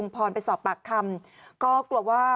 อ้อฟ้าอ้อฟ้าอ้อฟ้าอ้อฟ้า